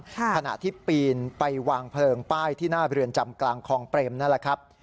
ขณะที่ปีนไปวางเพลิงป้ายที่หน้าเรือนจำกลางคลองเปรมนั่นแหละครับ